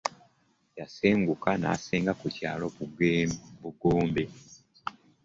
Yasenguka n’asenga ku kyalo Bugembo.